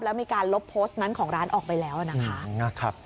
แล้วมีการลบโพสต์นั้นของร้านออกไปแล้วนะคะ